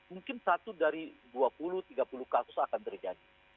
mungkin satu dari dua puluh tiga puluh kasus akan terjadi